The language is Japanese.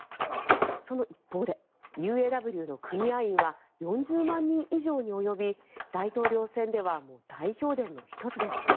その一方で、ＵＡＷの組合員は４０万人以上に及び大統領選では大票田の１つです。